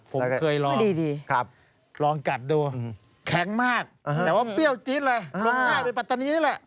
ผมเคยลองดีลองกัดดูแข็งมากแต่ว่าเปรี้ยวจี๊ดเลยลงหน้าไปปัตตานีนี่แหละ